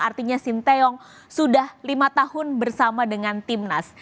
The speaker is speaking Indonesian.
artinya sinteyong sudah lima tahun bersama dengan timnas